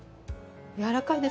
やわらかいですね。